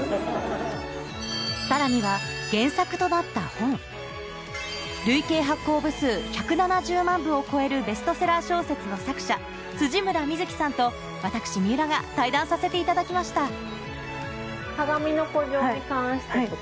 さらには累計発行部数１７０万部を超えるベストセラー小説の作者村深月さんと私水卜が対談させていただきましたえ！